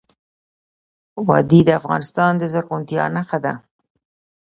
وادي د افغانستان د زرغونتیا نښه ده.